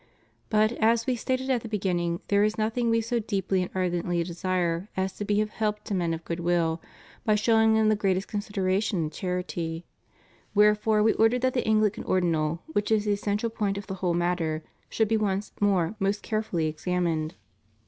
But, as We stated at the beginning, there is nothing We so deeply and ardently desire as to be of help to men of good will by showing them the greatest consideration and charity. Wherefore We ordered that the AngUcan Ordinal, which is the essential point of the whole matter, should be once more most carefully examined.